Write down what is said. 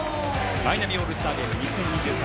マイナビオールスターゲーム２０２３